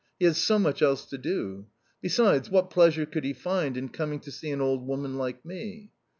He has so much else to do. Besides, what pleasure could he find in coming to see an old woman like me?"